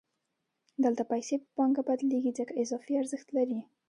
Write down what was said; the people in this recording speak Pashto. دلته پیسې په پانګه بدلېږي ځکه اضافي ارزښت لري